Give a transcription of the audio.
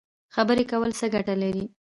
خبرې کول څه ګټه لري؟